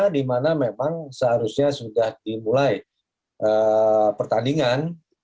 dimana memang seharusnya sudah dimulai pertandingan